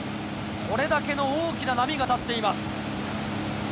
これだけの大きな波が立っています。